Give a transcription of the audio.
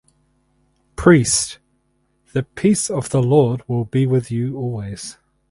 Priest: The Peace of the Lord be with you always.